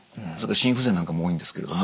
心不全なんかも多いんですけれども。